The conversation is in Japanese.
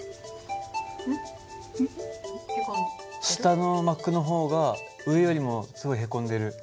下の膜の方が上よりもすごいへこんでる。